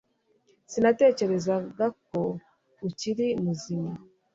Sinatekerezaga ko ukiri muzima